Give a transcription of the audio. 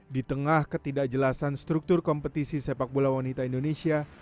di tengah ketidakjelasan struktur kompetisi sepak bola wanita indonesia